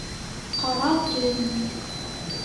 Ҡара төн.